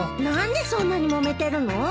何でそんなにもめてるの？